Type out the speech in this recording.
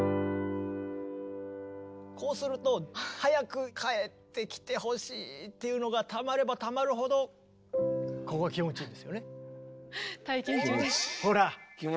こうすると早くかえってきてほしいっていうのがたまればたまるほどここ気持ちいいんですよね。